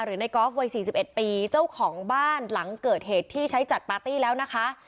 หรือนายกอฟวัยสี่สิบเอ็ดปีเจ้าของบ้านหลังเกิดเหตุที่ใช้จัดปาร์ตี้แล้วนะคะ